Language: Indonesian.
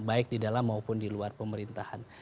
baik di dalam maupun di luar pemerintahan